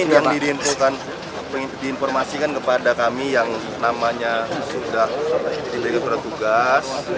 yang diinfo kan diinformasikan kepada kami yang namanya sudah diberi surat tugas